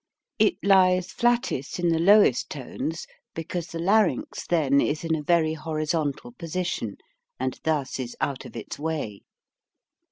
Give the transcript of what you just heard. It lies flattest in the lowest tones because the larynx then is in a very horizontal position, and thus is out of its way.